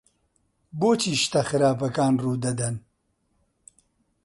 بۆچی شتە خراپەکان ڕوو دەدەن؟